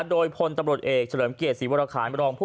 โดยพลตำรวจเอกเฉลิมเกียรติศรีวรคารรองผู้